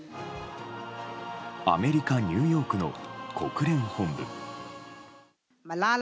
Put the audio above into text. アメリカ・ニューヨークの国連本部。